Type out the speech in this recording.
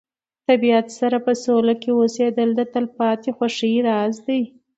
د طبیعت سره په سوله کې اوسېدل د تلپاتې خوښۍ راز دی.